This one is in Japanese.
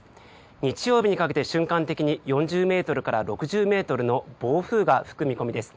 日曜日にかけて瞬間的に４０ｍから６０ｍの暴風が吹く見込みです。